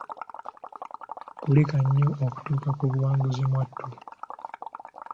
Kulika nnyo okutuuka ku buwanguzi mwattu!